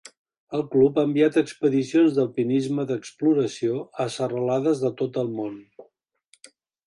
El club ha enviat expedicions d'alpinisme d'exploració a serralades de tot el món.